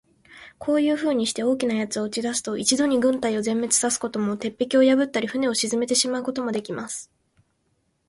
こういうふうにして、大きな奴を打ち出すと、一度に軍隊を全滅さすことも、鉄壁を破ったり、船を沈めてしまうこともできます。